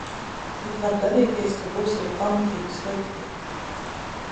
Bet var gadīties, ka būs arī pamatīgi slikti.